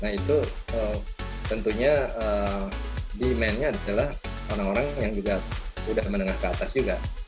nah itu tentunya demandnya adalah orang orang yang juga sudah menengah ke atas juga